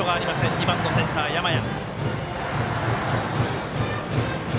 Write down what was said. ２番のセンター、山家。